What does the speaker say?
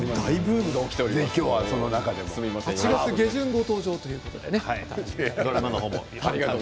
８月下旬のご登場ということですね。